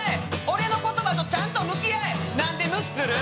俺の言葉とちゃんと向き合え何で無視する？